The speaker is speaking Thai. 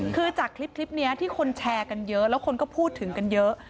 คือจากคลิปนี้ที่คนแชร์กันเยอะแล้วคนก็พูดถึงกันเยอะ